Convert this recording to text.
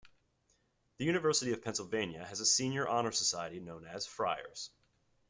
The University of Pennsylvania has a senior honor society known as Friars.